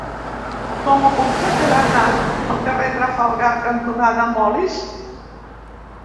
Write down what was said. Com ho puc fer per anar al carrer Trafalgar cantonada Molist?